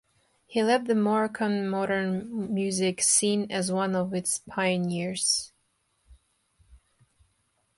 He left the Moroccan modern music scene as one of its pioneers.